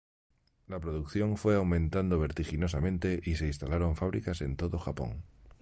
La producción fue aumentando vertiginosamente y se instalaron fábricas en todo Japón.